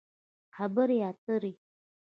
خبرې اترې